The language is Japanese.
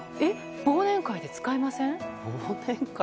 忘年会で使いません？